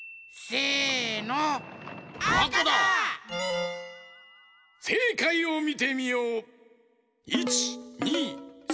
せいかいをみてみよう！